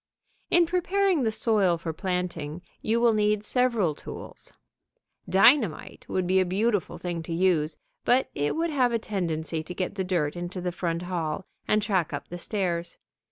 In preparing the soil for planting, you will need several tools. Dynamite would be a beautiful thing to use, but it would have a tendency to get the dirt into the front hall and track up the stairs.